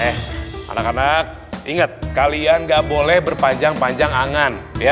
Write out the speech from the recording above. eh anak anak ingat kalian gak boleh berpanjang panjang angan